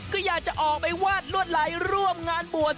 ก็อยากจะออกไปวาดลวดไหลร่วมงานบวช